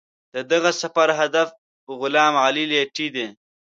د دغه سفر هدف غلام علي لیتي دی.